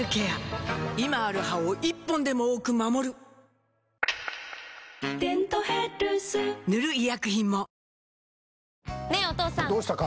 今ある歯を１本でも多く守る「デントヘルス」塗る医薬品も